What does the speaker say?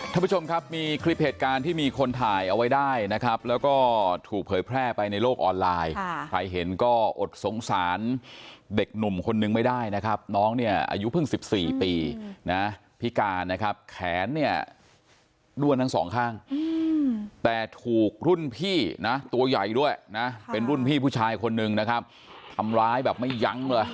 ท่านผู้ชมครับมีคลิปเหตุการณ์ที่มีคนถ่ายเอาไว้ได้นะครับแล้วก็ถูกเผยแพร่ไปในโลกออนไลน์ใครเห็นก็อดสงสารเด็กหนุ่มคนนึงไม่ได้นะครับน้องเนี่ยอายุเพิ่ง๑๔ปีนะพิการนะครับแขนเนี่ยด้วนทั้งสองข้างแต่ถูกรุ่นพี่นะตัวใหญ่ด้วยนะเป็นรุ่นพี่ผู้ชายคนนึงนะครับทำร้ายแบบไม่ยั้งเลย